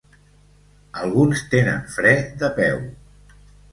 Alguns tenen fre de peu.